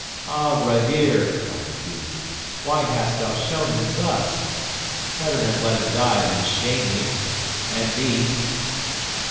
'"Ah, Rahere," cried Hugh, "why hast thou shown him thus? Better have let him die than shame him and me!"